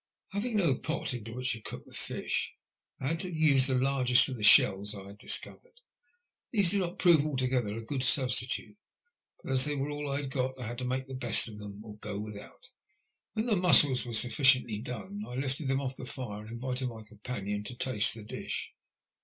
Having no pot in which to cook the fish, I had to use the largest of the shells I had discovered. These did not prove altogether a good substitute, but as they ' were all I had got, I had to make the best of them or go without. When the mussels were sufficiently done, I lifted ihem off the fire and invited my companion to taste the dish.